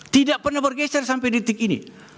tidak pernah bergeser sampai detik ini